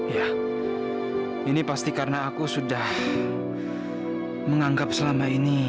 ya ini pasti karena aku sudah menganggap selama ini